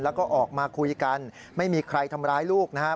แล้วก็ออกมาคุยกันไม่มีใครทำร้ายลูกนะฮะ